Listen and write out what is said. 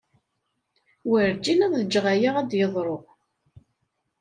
Werǧin ad ǧǧeɣ aya ad d-yeḍru.